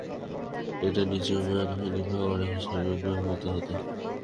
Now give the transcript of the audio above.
এটাই নিচু ম্যানহাটনে ভাগাড় হিসাবে ব্যবহৃত হতো।